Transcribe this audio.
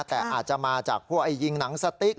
แต่อาจจะมาจากพวกไอ้ยิงหนังสติ๊ก